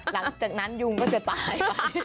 หลังจากนั้นยุงก็จะตาย